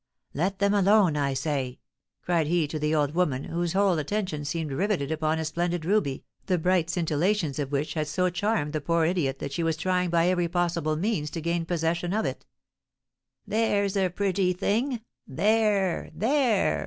Let them alone, I say!" cried he to the old woman, whose whole attention seemed riveted upon a splendid ruby, the bright scintillations of which had so charmed the poor idiot that she was trying by every possible means to gain possession of it. "There's a pretty thing! there, there!"